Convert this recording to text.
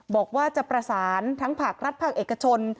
บอกว่าจะประสานทั้งภาครัฐภาคเอกชน